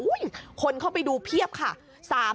คนเข้าไปดูเพียบค่ะ